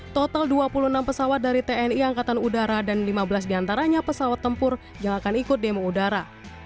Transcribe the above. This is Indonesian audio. total dua puluh enam pesawat dari tni angkatan udara dan lima belas diantaranya pesawat tempur yang akan ikut demo udara